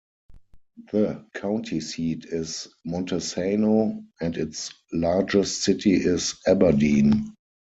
The county seat is Montesano, and its largest city is Aberdeen.